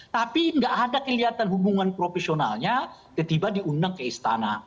tapi nggak ada kelihatan hubungan profesionalnya ketiba diundang ke istana